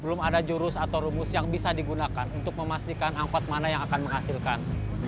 belum ada jurus atau rumus yang bisa digunakan untuk memastikan angkot mana yang akan menghasilkan